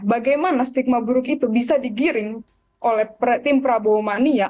bagaimana stigma buruk itu bisa digiring oleh tim prabowo mania